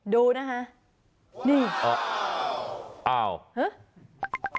ดูนะคะนี่อ้าวฮะ